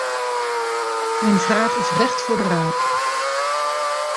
Mijn vraag is recht voor de raap.